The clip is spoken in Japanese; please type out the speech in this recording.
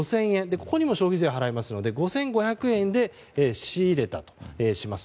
ここにも消費税払いますので５５００円で仕入れたとします。